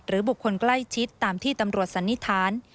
บุคคลใกล้ชิดตามที่ตำรวจสันนิษฐาน